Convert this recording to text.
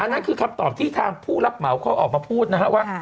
นั่นคือคำตอบที่ทางผู้รับเหมาเขาออกมาพูดนะครับว่า